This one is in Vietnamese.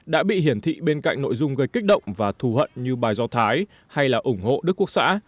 đã bị hiển thị bên cạnh nội dung gây kích động và thù hận như bài do thái hay là ủng hộ đức quốc xã